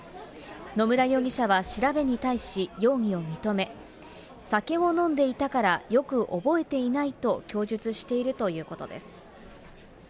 野村容疑者は調べに対し容疑を認め、酒を飲んでいたからよく覚えていないと供述しているということです。